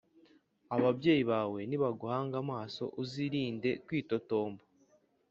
ababyeyi bawe nibaguhanga amaso uzirinde kwitotomba